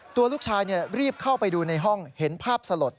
ตัวลูกชายรีบเข้าไปดูในห้องเห็นภาพสลด